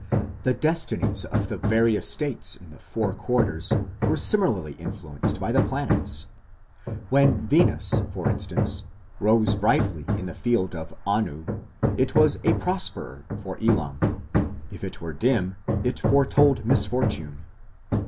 The destinies of the various states in the four quarters were similarly influenced by the planets. When Venus, for instance, rose brightly in the field of Anu, it was a "prosperor" for Elam; if it were dim it foretold misfortune.